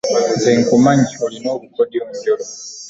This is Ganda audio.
Nze nkumanyi olina obukodyo njolo.